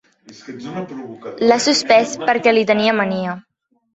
L'ha suspès perquè li té mania.